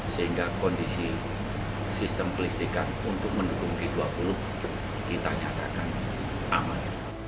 sehingga kondisi sistem kelistikan untuk mendukung g dua puluh kita nyatakan aman